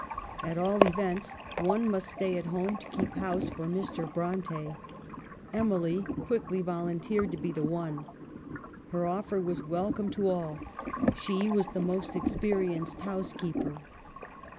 At all events one must stay at home to keep house for Mr. Bronte. Emily quickly volun teered to be the one. Her offer was welcome to all ; she was the most experienced housekeeper.